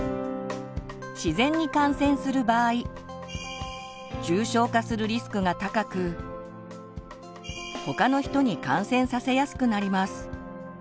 自然に感染する場合重症化するリスクが高く他の人に感染させやすくなります。